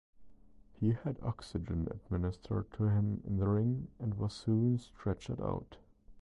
He had oxygen administered to him in the ring and was soon stretchered out.